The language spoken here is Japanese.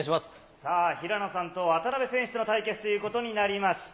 さあ、平野さんと渡辺選手との対決ということになりました。